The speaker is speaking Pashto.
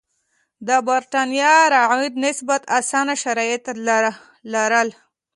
د برېټانیا رعیت نسبتا اسانه شرایط لرل.